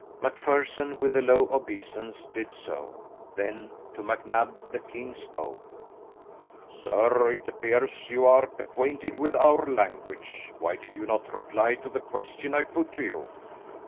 MacPherson with a low obeisance, did so; then to MacNab the king spoke, "Sir, as it appears you are acquainted with our language, why did you not reply to the question I put to you?"